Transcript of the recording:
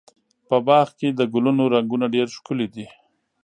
په باغ کې د ګلونو رنګونه ډېر ښکلي دي.